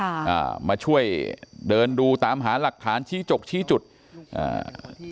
อ่ามาช่วยเดินดูตามหาหลักฐานชี้จกชี้จุดอ่า